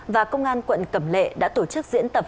và công an quận cẩm lệ đã tổ chức diễn tập